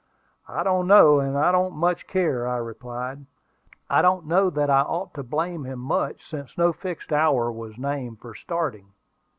"I don't know, and I don't much care," I replied. "I don't know that I ought to blame him much, since no fixed hour was named for starting."